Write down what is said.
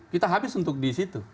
kita habis untuk di situ